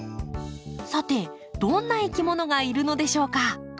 さてどんないきものがいるのでしょうか？